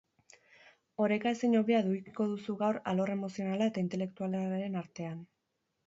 Oreka ezin hobea edukiko duzu gaur alor emozionala eta intelektualaren artean.